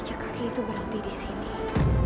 cek kaki itu berhenti di sini